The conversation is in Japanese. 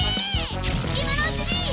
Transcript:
今のうちに。